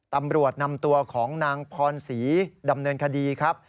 ตำรวจนำตัวของนางพรศรีดำเนินคดีครับ